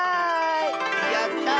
やった！